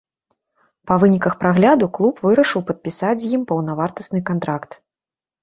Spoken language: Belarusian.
Па выніках прагляду клуб вырашыў падпісаць з ім паўнавартасны кантракт.